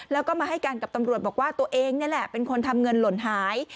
แล้วก็มาให้กันกับตำรวจบอกว่าตัวเองนี่แหละเป็นคนทำเงินหล่นหาย